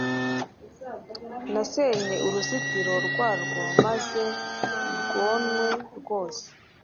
Nzasenya uruzitiro rwarwo, maze rwonwe rwose;